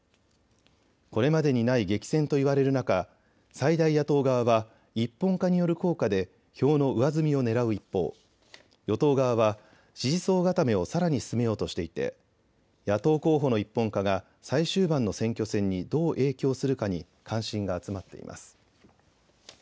これまでにない激戦と言われる中最大野党側は一本化による効果で票の上積みをねらう一方与党側は支持層固めをさらに進めようとしていて野党候補の一本化が最終盤の選挙戦にどう影響するかに関心が集まっています。